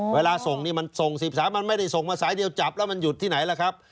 เวลาส่งนี่มันส่ง๑๓มันไม่ได้ส่งมาสายเดียวจับแล้วมันหยุดที่ไหนล่ะครับ